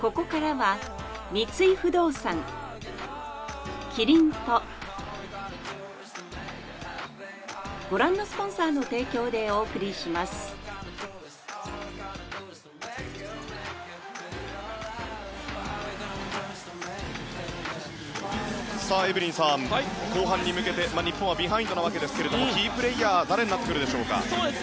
香りに驚くアサヒの「颯」エブリンさん後半に向けて日本はビハインドなわけですがキープレーヤーは誰になってくるでしょうか？